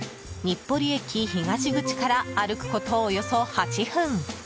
日暮里駅東口から歩くことおよそ８分。